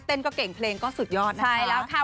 เต้นก็เก่งเพลงก็สุดยอดนะคะ